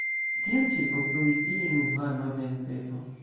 Tiam ĉirkaŭfluis ilin varma venteto.